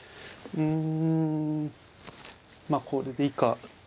うん。